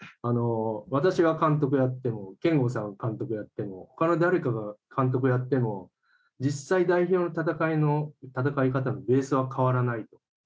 私が監督やっても憲剛さんが監督をやってもほかの誰かが監督をやっても実際、代表の戦いの戦い方のベースは変わらないと。